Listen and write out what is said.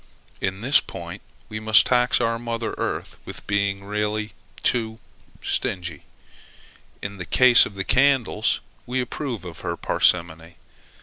In this point, we must tax our mother earth with being really too stingy. In the case of the candles, we approve of her parsimony.